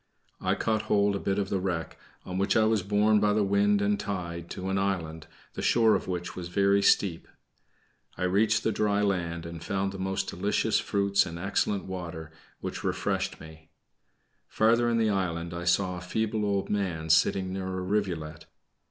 I caught hold of a bit of the wreck, on which I was borne by the wind and tide to an island, the shore of which was very steep. I reached the dry land, and found the most delicious fruits and excellent water, which refreshed me. Farther in the island I saw a feeble old man sitting near a rivulet.